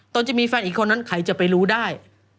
ตนจะมีแฟนอีกคนนั้นใครจะไปรู้ได้